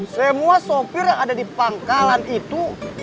semua sopir yang ada di pangkalan itu